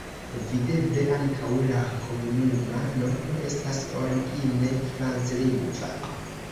Videble ankaŭ la komunuma nomo estas origine franclingva.